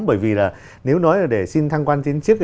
bởi vì nếu nói là để xin thăng quan tiến trức